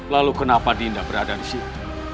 lalu kenapa dinda berada di situ